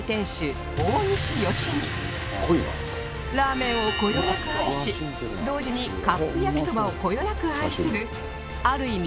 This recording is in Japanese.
ラーメンをこよなく愛し同時にカップ焼きそばをこよなく愛するある意味